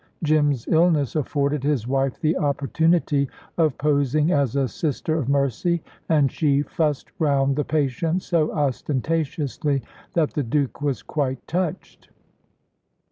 Jim's illness afforded his wife the opportunity of posing as a sister of mercy, and she fussed round the patient so ostentatiously, that the Duke was quite touched.